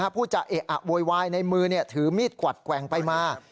ผู้จะเอะอะโวยวายในมือถือมีดกวัดแกว่งไปมา